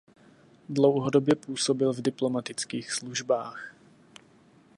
Dlouhodobě působil v diplomatických službách.